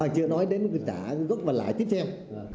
chưa nói đến trả gốc và lãi tiếp theo